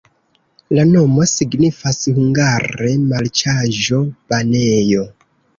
La nomo signifas hungare: marĉaĵo-banejo.